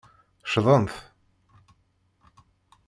Ccḍent.